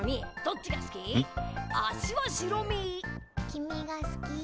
きみがすきー。